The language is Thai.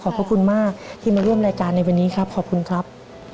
พระคุณมากที่มาร่วมรายการในวันนี้ครับขอบคุณครับ